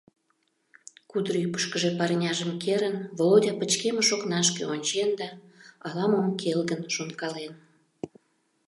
Кудыр ӱпышкыжӧ парняжым керын, Володя пычкемыш окнашке ончен да ала-мом келгын шонкален.